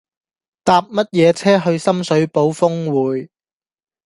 搭乜嘢車去深水埗丰滙